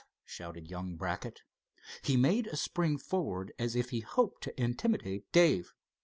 shouted young Brackett. He made a spring forward as if he hoped to intimidate Dave.